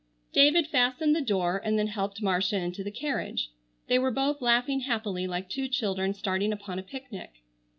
David fastened the door and then helped Marcia into the carriage. They were both laughing happily like two children starting upon a picnic.